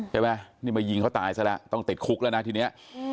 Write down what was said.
นะยังไหมจะยิงเขาตายซะละต้องเต็ดคุกแล้วนะทีนี้